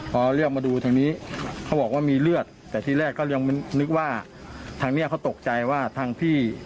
พอเรียกมาดูทางนี้เขาบอกว่ามีเลือดแต่ทีแรกก็ยังนึกว่าทางนี้เขาตกใจว่าทางพี่